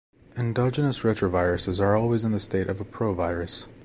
Endogenous retroviruses are always in the state of a provirus.